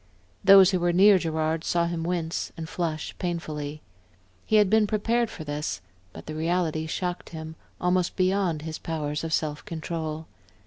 Those who were near Gerard saw him wince and flush painfully. He had been prepared for this, but the reality shocked him, almost beyond his powers of self control.